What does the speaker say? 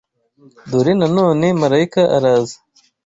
dore na none marayika araza